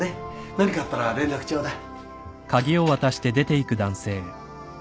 何かあったら連絡ちょうだい。